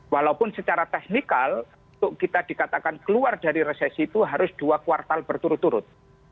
walaupun secara teknikal untuk kita dikatakan keluar dari resesi itu harus dua kuartal berturut turut